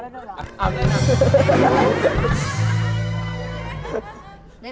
นี่นี่